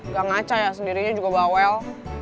gak ngaca ya sendirinya juga bawel